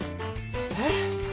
えっ？